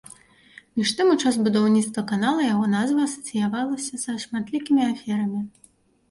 Між тым у час будаўніцтва канала яго назва асацыявалася са шматлікімі аферамі.